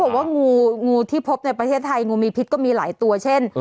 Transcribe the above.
บอกว่างูที่พบในประเทศไทยงูมีพิษก็มีหลายตัวเช่น